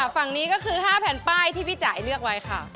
ฝั่งนี้ก็คือ๕แผ่นป้ายที่พี่จ่ายเลือกไว้ค่ะ